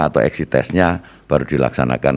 atau eksi tesnya baru dilaksanakan